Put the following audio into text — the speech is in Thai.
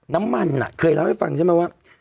น้ำมันเคยเล่าให้ฟังใช่ไหมว่า